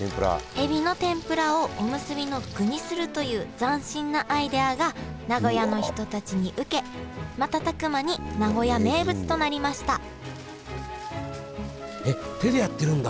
エビの天ぷらをおむすびの具にするという斬新なアイデアが名古屋の人たちに受けまたたく間に名古屋名物となりましたえっ手でやってるんだ！